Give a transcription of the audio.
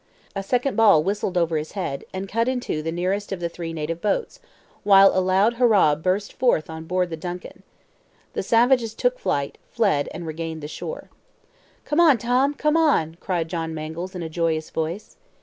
A second ball whistled over his head, and cut in two the nearest of the three native boats, while a loud hurrah burst forth on board the DUNCAN. The savages took flight, fled and regained the shore. "Come on, Tom, come on!" cried John Mangles in a joyous voice.